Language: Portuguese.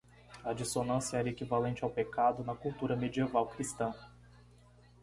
A dissonância era equivalente ao pecado na cultura medieval cristã.